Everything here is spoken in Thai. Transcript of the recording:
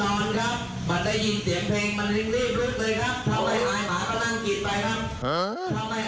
ถ้าไม่อายหมาก็นั่งกีดไปครับ